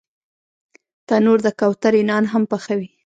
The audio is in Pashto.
تنور د کوترې نان هم پخوي